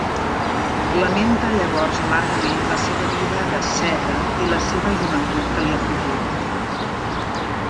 Lamenta llavors amargament la seva vida d'asceta i la seva joventut que li ha fugit.